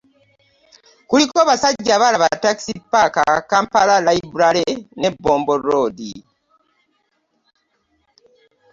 Kuliko Basajjabala Taxi Park, Kampala Library ne Bombo Road